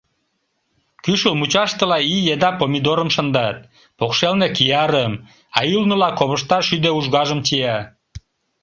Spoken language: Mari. Кӱшыл мучаштыла ий еда помидорым шындат, покшелне — киярым, а ӱлныла — ковышта шӱдӧ ужгажым чия.